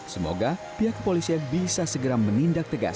semoga pihak polisian bisa segera menindak tegas para pelaku pelanggar tersebut